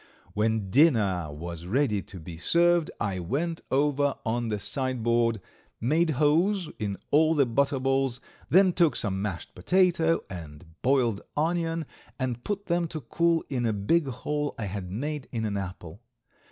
When dinner was ready to be served I went over on the sideboard, made holes in all the butter balls, then took some mashed potato and boiled onion and put them to cool in a big hole I had made in an apple.